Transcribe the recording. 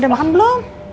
udah makan belum